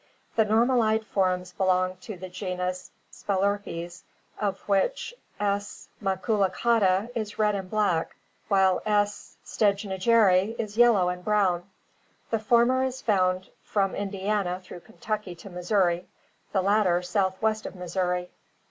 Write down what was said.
The normal eyed forms belong to the genus Spelerpes (Fig. 92) of which S. maculicauda is red and black while S. stejnegeri is yellow and brown. The former is found from Indiana through Kentucky to Missouri, the latter southwest of Missouri.